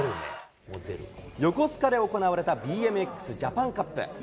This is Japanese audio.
横須賀で行われたＢＭＸジャパンカップ。